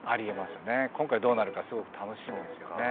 今回どうなるかすごく楽しみですよね。